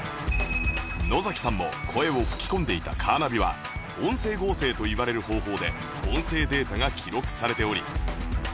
のざきさんも声を吹き込んでいたカーナビは音声合成といわれる方法で音声データが記録されており